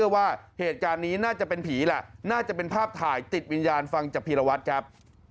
ว่าเหตุการณ์นี้น่าจะเป็นผีแหละน่าจะเป็นภาพถ่ายติดวิญญาณฟังจากพีรวัตรครับ